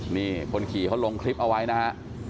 นี่คนขี่เขาลงคลิปเอาไว้นะฮะ